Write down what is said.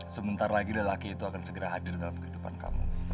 sebentar lagi lelaki itu akan segera hadir dalam kehidupan kamu